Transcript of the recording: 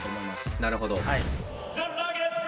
なるほど。